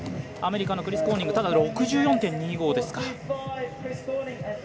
アメリカのクリス・コーニング６４．２５ですか。